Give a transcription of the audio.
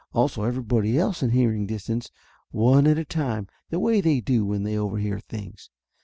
Also everybody else in hearing distance, one at a time, the way they do when they overhear things.